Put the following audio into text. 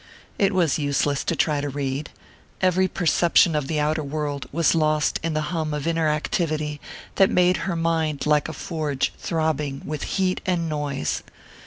It was useless to try to read: every perception of the outer world was lost in the hum of inner activity that made her mind like a forge throbbing with heat and noise.